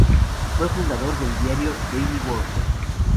Fue fundador del diario Daily Worker.